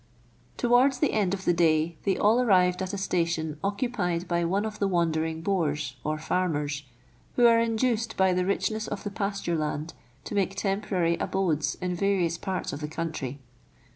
Towards the end of the day, they all arrived at a station occupied by one of the wandering "boers," or farmers, who are induced by the richness of the pasture land to make temporary abodes in various parts of the country.